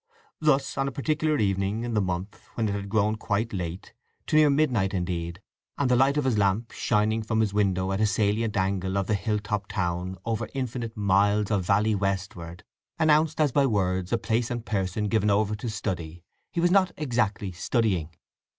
Thus on a particular evening in the month, when it had grown quite late—to near midnight, indeed—and the light of his lamp, shining from his window at a salient angle of the hill top town over infinite miles of valley westward, announced as by words a place and person given over to study, he was not exactly studying.